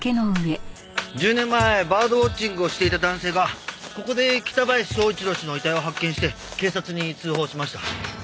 １０年前バードウォッチングをしていた男性がここで北林昭一郎氏の遺体を発見して警察に通報しました。